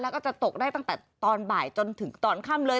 แล้วก็จะตกได้ตั้งแต่ตอนบ่ายจนถึงตอนค่ำเลย